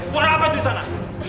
coba lo liat apa aja disana